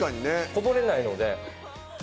こぼれないので。